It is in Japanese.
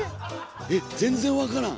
ええ？全然分からん。